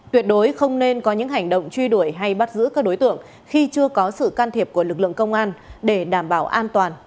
tuyệt đối không nên có những hành động truy đuổi hay bắt giữ các đối tượng khi chưa có sự can thiệp của lực lượng công an để đảm bảo an toàn